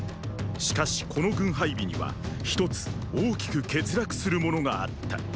しかしこの軍配備には一つ大きく欠落するものがあった。